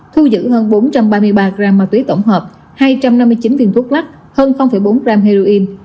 thu giữ hơn bốn trăm ba mươi ba gram ma túy tổng hợp hai trăm năm mươi chín viên thuốc lắc hơn bốn gram heroin